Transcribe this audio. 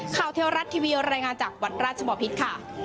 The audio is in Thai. เทวรัฐทีวีรายงานจากวัดราชบอพิษค่ะ